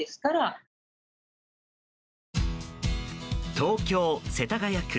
東京・世田谷区。